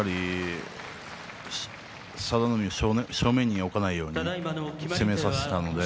佐田の海を正面に置かないように攻めてましたね。